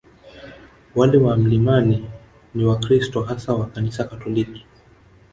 Wale wa milimani ni Wakristo hasa wa Kanisa Katoliki